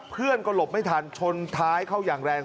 เพื่อนก็หลบไม่ทันชนท้ายเข้าอย่างแรง